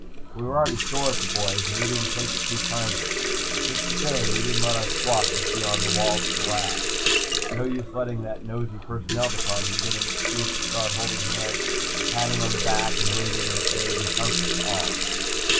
We were already sore at the boys and we didn't take it too kindly. Just the same, we didn't let our squawk get beyond the walls of the lab. No use letting that nosy Personnel Department get an excuse to start holding hands, patting on the back, and radiating aid and comfort to all.